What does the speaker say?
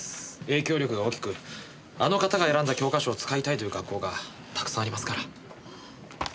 影響力が大きくあの方が選んだ教科書を使いたいという学校がたくさんありますから。